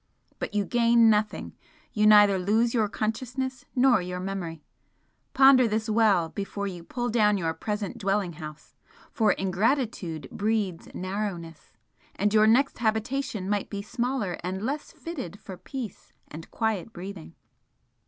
But you gain nothing you neither lose your consciousness nor your memory! Ponder this well before you pull down your present dwelling house! for ingratitude breeds narrowness, and your next habitation might be smaller and less fitted for peace and quiet breathing!"